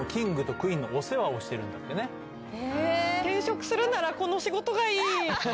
転職するならこの仕事がいい。